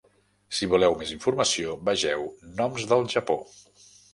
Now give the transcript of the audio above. Si voleu més informació, vegeu "noms del Japó".